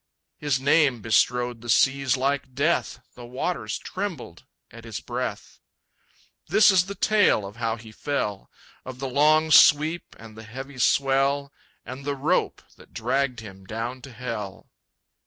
His name bestrode the seas like Death. The waters trembled at his breath. This is the tale of how he fell, Of the long sweep and the heavy swell, And the rope that dragged him down to hell.